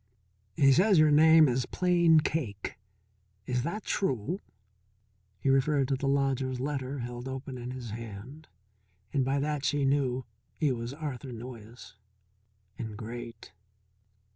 "He says your name is Plain Cake is that true?" He referred to the lodger's letter held open in his hand, and by that she knew he was Arthur Noyes. And great.